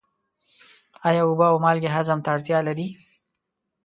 آیا اوبه او مالګې هضم ته اړتیا لري؟